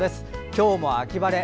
今日も秋晴れ。